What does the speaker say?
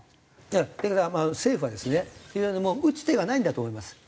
だからまあ政府はですねもう打つ手がないんだと思います。